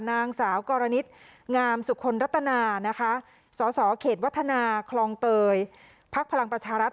นางสาวกรณิตงามสุขลรัตนานะคะสสเขตวัฒนาคลองเตยพักพลังประชารัฐ